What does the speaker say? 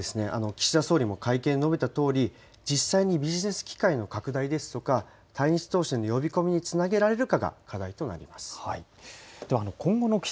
今後は、岸田総理も会見で述べたとおり、実際にビジネス機会の拡大ですとか、対日投資の呼び込みにつなげられるかが課題となります。